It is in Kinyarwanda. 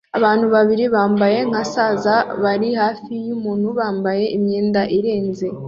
Abantu babiri bambaye nka saza bari hafi yumuntu wambaye imyenda irenze